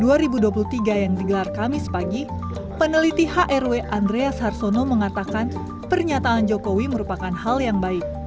dalam forum human rights watch atau hrw dua ribu dua puluh tiga yang digelar kami sepagi peneliti hrw andreas harsono mengatakan pernyataan jokowi merupakan hal yang baik